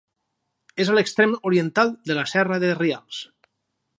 És a l'extrem oriental de la Serra de Rials.